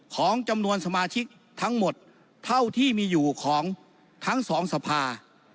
ของจำนวนสมาชิกทั้งหมดเท่าที่มีอยู่ของทั้งสองสภา